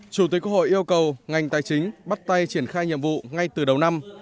chủ tịch quốc hội yêu cầu ngành tài chính bắt tay triển khai nhiệm vụ ngay từ đầu năm